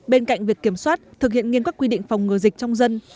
bên cạnh việc kiểm soát thực hiện nghiêm các quy định phòng ngừa dịch trong dân